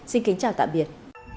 xin kính chào tạm biệt